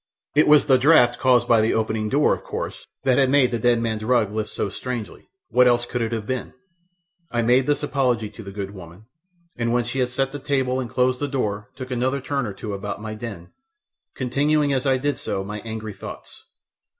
It was the draught caused by the opening door, of course, that had made the dead man's rug lift so strangely what else could it have been? I made this apology to the good woman, and when she had set the table and closed the door took another turn or two about my den, continuing as I did so my angry thoughts.